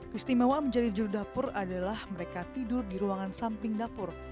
kestimewa menjadi jurudapur adalah mereka tidur di ruangan samping dapur